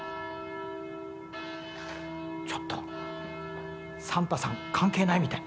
ちょっとサンタさんかんけいないみたい。